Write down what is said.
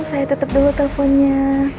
saya tetep dulu teleponnya